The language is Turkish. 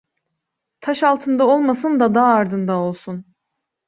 Taş altında olmasın da dağ ardında olsun.